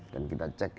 dan kita cek